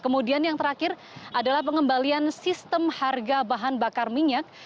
kemudian yang terakhir adalah pengembalian sistem harga bahan bakar minyak